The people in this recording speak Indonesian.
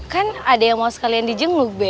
kan ada yang mau sekalian di jengluk